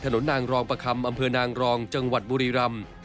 ถนนนางรองประคำอนางรองจบุริรำ